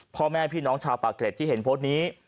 พ่อแม่พี่น้องชาวปากเกร็ดที่เห็นโพสต์นี้